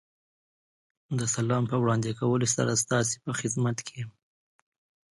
د سلام په وړاندې کولو سره ستاسې په خدمت کې یم.